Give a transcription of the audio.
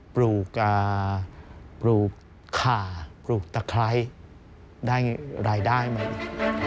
ปลูกขาปลูกตะไคร้ได้รายได้มาอีก